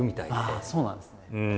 ああそうなんですね。